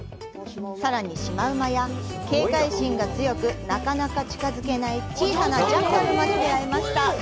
さらにシマウマや警戒心が強く、なかなか近づけない小さなジャッカルまで出会えました。